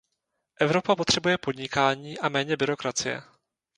Evropa potřebuje podnikání a méně byrokracie.